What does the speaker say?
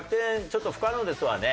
ちょっと不可能ですわね。